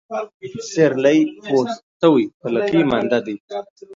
سيرلى پوست سوى ، په لکۍ مانده دى.